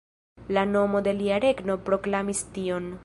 La nomo de lia regno proklamis tion.